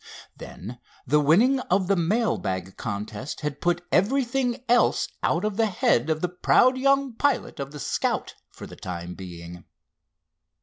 Then the winning of the mail bag contest had put everything else out of the head of the proud young pilot of the Scout for the time being.